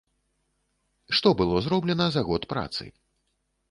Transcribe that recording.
Што было зроблена за год працы?